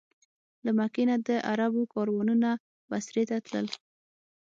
له مکې نه د عربو کاروانونه بصرې ته تلل.